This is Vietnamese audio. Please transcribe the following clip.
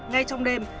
ngay trong đêm